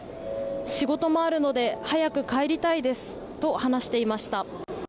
仕事もあるので早く帰りたいですと話していました。